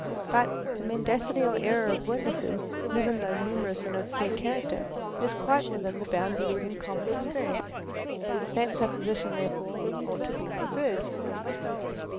But the mendacity or error of witnesses, even though numerous and of fair character, is quite within the bounds of even common experience. That supposition, therefore, ought to be preferred.